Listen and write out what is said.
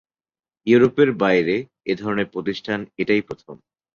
ইউরোপের বাইরে এ ধরনের প্রতিষ্ঠান এটাই প্রথম।